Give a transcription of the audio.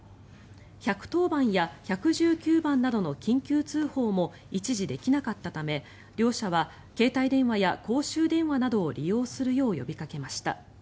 １１０番や１１９番などの緊急通報も一時、できなかったため両社は携帯電話や公衆電話などを利用するよう呼びかけました。